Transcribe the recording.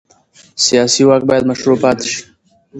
سیاسي واک باید مشروع پاتې شي